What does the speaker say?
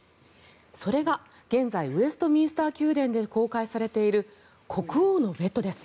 それが現在ウェストミンスター宮殿で公開されている国王のベッドです。